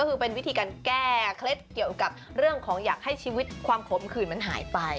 ก็คือเป็นวิธีการแก้เคล็ดเกี่ยวกับเรื่องของอยากให้ชีวิตความขมขื่นมันหายไป